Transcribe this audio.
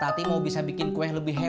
potati mau bisa bikin kue yang lebih hebat